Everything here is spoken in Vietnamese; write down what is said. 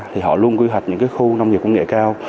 thì họ luôn quy hoạch những khu nông nghiệp công nghệ cao